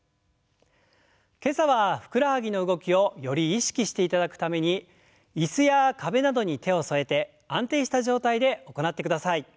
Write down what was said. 今朝はふくらはぎの動きをより意識していただくために椅子や壁などに手を添えて安定した状態で行ってください。